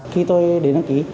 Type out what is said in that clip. khi tôi đến đăng ký